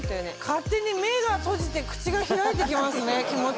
勝手に目が閉じて口が開いてきます気持ちよくて。